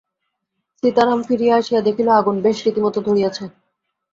সীতারাম ফিরিয়া আসিয়া দেখিল, আগুন বেশ রীতিমতো ধরিয়াছে।